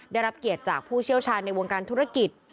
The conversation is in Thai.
ได้รับเกียรติจากผู้เชี่ยวชาญในวงการธุรกิจ